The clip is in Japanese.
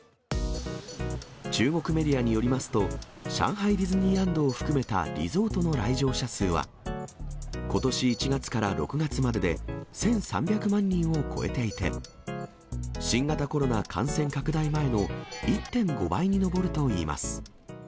中国メディアによりますと、上海ディズニーランドを含めたリゾートの来場者数は、ことし１月から６月までで、１３００万人を超えていて、新型コロナ感染拡大前の１．５倍に上るといいます。